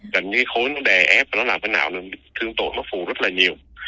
cảm giác như cái khối nó đè ép nó làm cái nào nó thương tội nó phù rất là nhiều